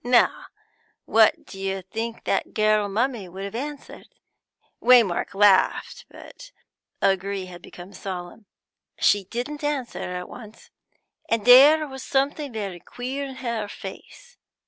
Now what do you think the girl mummy would have answered?'" Waymark laughed, but O'Gree had become solemn. "She didn't answer at once, and there was something very queer in her face.